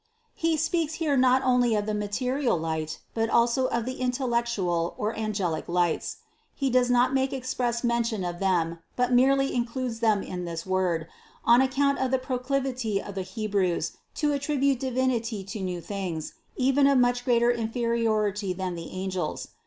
He speaks here not only of material light, but also of the intellectual or angelic lights. He does not make express mention of them, but merely includes them in this word, on account of the proclivity of the Hebrews to attribute Divinity to new things, even of much greater inferiority than the angels.